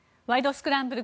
スクランブル」